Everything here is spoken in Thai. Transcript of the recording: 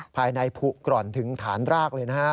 ภายในภูกร่อนถึงฐานรากเลยนะฮะ